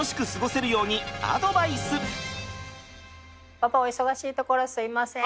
パパお忙しいところすいません。